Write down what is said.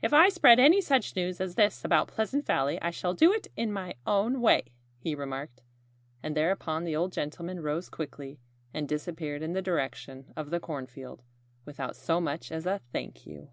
"If I spread any such news as this about Pleasant Valley I shall do it in my own way," he remarked. And thereupon the old gentleman rose quickly and disappeared in the direction of the cornfield, without so much as a "Thank you!"